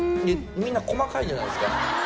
みんな細かいじゃないですか。